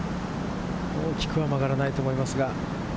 大きくは曲がらないと思いますが。